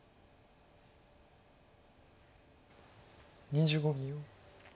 ２５秒。